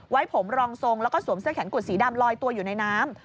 ไว้ผมรองทรงแล้วก็สวมเสื้อแขนกุดสีดำลอยตัวอยู่ในน้ำ